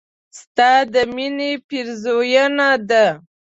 ستا د مينې پيرزوينه ده